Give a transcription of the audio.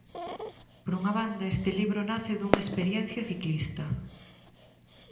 Por unha banda, este libro nace dunha experiencia ciclista.